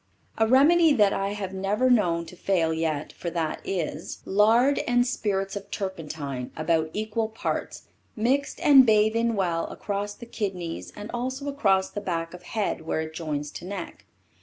A remedy that I have never known to fail yet for that is: Lard and spirits of turpentine about equal parts mixed and bathe in well across the kidneys and also across the back of head where it joins to neck.